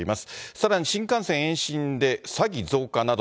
さらに新幹線延伸で詐欺増加など、